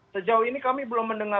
sejauh ini kami belum mendengar